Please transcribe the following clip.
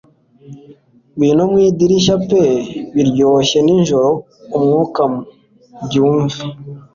Ngwino mwidirishya pe biryoshye nijoro-mwuka byumve